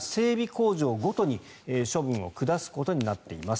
工場ごとに処分を下すことになっています。